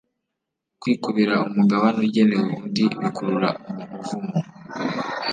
kwikubira umugabane ugenewe undi bikurura umumuvumo